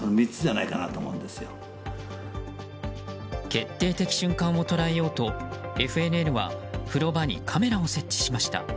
決定的瞬間を捉えようとＦＮＮは風呂場にカメラを設置しました。